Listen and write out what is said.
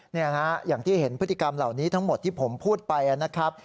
เนี่ยฮะอย่างที่เห็นพฤติกรรมเหล่านี้ทั้งหมดที่ผมพูดไปนะครับ